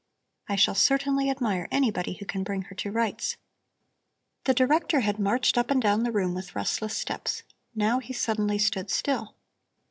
I shall certainly admire anybody who can bring her to rights." The director had marched up and down the room with restless steps. Now he suddenly stood still.